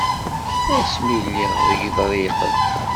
Asmi lliɣ deg Yiḍriqen.